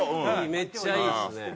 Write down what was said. めっちゃいいですね。